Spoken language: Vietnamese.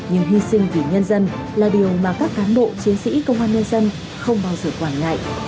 nhưng hy sinh vì nhân dân là điều mà các cán bộ chiến sĩ công an nhân dân không bao giờ quản ngại